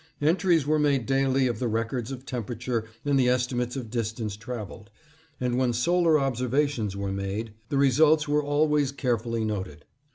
Entries were made daily of the records of temperature and the estimates of distance traveled; and when solar observations were made the results were always carefully noted.